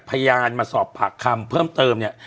พยานมาสอบปากคำเพิ่มเติมเนี่ย